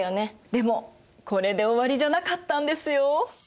でもこれで終わりじゃなかったんですよ。